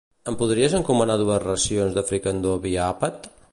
Em podries encomanar dues racions de fricandó via Appat?